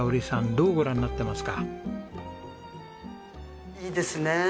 どうご覧になってますか？いいですね。